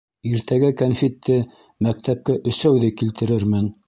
Иртәгә кәнфитте мәктәпкә өсәүҙе килтерермен.